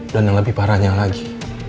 dan yang lebih parahnya lagi